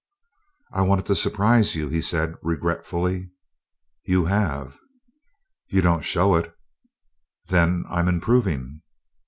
"I wanted to surprise you," he said regretfully. "You have." "You don't show it." "Then I'm improving."